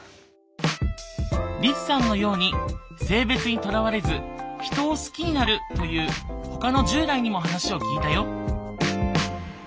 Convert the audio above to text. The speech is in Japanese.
リツさんのように性別にとらわれず人を好きになるというほかの１０代にも話を聞いたよ。